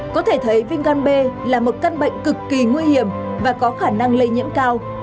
có thể thấy viêm gan b là một căn bệnh cực kỳ nguy hiểm và có khả năng lây nhiễm cao